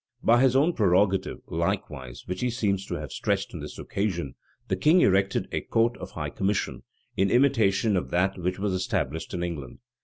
By his own prerogative, likewise, which he seems to have stretched on this occasion, the king erected a court of high commission,[*] in imitation of that which was established in England.